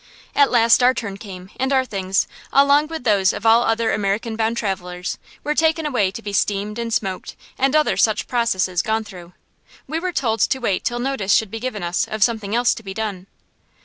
At last our turn came, and our things, along with those of all other American bound travellers, were taken away to be steamed and smoked and other such processes gone through. We were told to wait till notice should be given us of something else to be done.